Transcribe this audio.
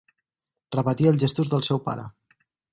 Repetia els gestos del seu pare.